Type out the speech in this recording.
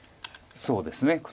そうですね